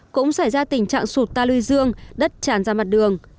cũng xảy ra tình trạng sụt ta lươi dương đất tràn ra mặt đường